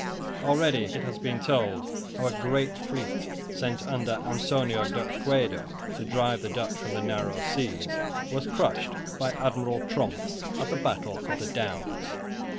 Already it has been told how a great fleet sent under Antonio de Oquendo to drive the Dutch from the narrow seas was crushed by Admiral Tromp at the battle of the Downs.